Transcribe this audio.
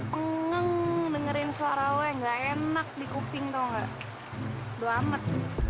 pengen dengerin suara weh enak di kuping tahu enggak doang